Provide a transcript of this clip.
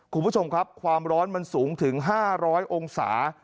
คุณผู้ชมครับความร้อนมันสูงถึง๕๐๐องศา